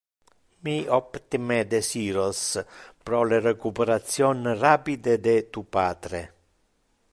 Mi optime desiros pro le recuperation rapide de tu patre.